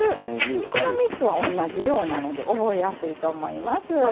この３つは同じ量なので覚えやすいと思います。